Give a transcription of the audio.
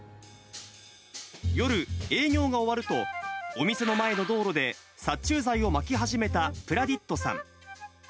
夜、営業が終わると、お店の前の道路で殺虫剤をまき始めたプラディットさん。